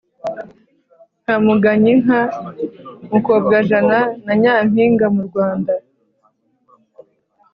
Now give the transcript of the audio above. nka Munganyinka Mukobwajana na Nyampinga Mu Rwanda